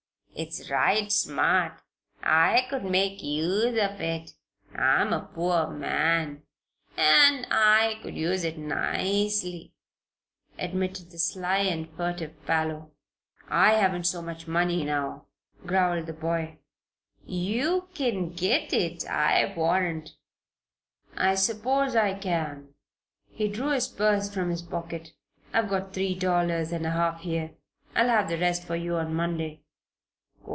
It's right smart. I could make use of it I'm a poor man, an' I could use it nicely," admitted the sly and furtive Parloe. "I haven't got so much money now," growled the boy. "Yeou kin get it, I warrant." "I suppose I can." He drew his purse from his pocket. "I've got three dollars and a half here. I'll have the rest for you on Monday."